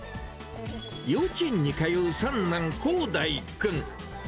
幼稚園に通う三男、こうだいくん。